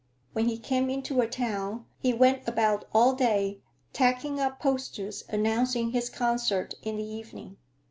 When he came into a town, he went about all day tacking up posters announcing his concert in the evening.